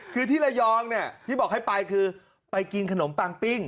คือที่ระยองเนี่ยที่บอกให้ไปคือไปกินขนมปังปิ้ง